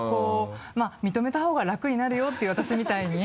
まぁ認めた方が楽になるよっていう私みたいに。